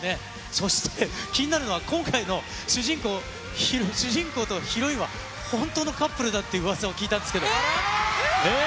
そして、気になるのは今回の主人公、主人公とヒロインは、本当のカップルだっていううわさを聞いたんですけど。